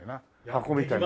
箱みたいな。